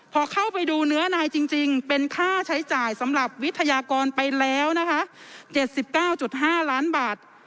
พอเข้าไปดูเนื้อนายจริงเป็นค่าใช้จ่ายสำหรับวิทยากรไปแล้วนะคะ๗๙๕ล้านบาท